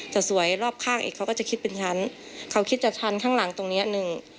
สวยรอบข้างอีกเขาก็จะคิดเป็นฉันเขาคิดจะทันข้างหลังตรงเนี้ยหนึ่ง